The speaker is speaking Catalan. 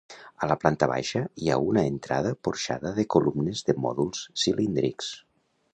A la planta baixa hi ha una entrada porxada de columnes de mòduls cilíndrics.